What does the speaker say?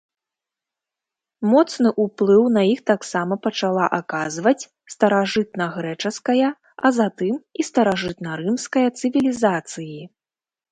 Моцны ўплыў на іх таксама пачала аказваць старажытнагрэчаская, а затым і старажытнарымская цывілізацыі.